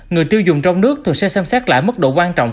người tiêu dùng trong nước thường sẽ xem xét lại mức độ quan trọng